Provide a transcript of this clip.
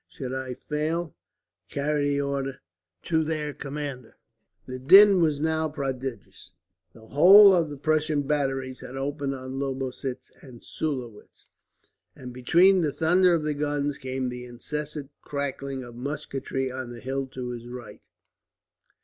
Should I fall, carry the order to their commander." The din was now prodigious. The whole of the Prussian batteries had opened on Lobositz and Sulowitz, and between the thunder of the guns came the incessant crackling of musketry on the hill to his right.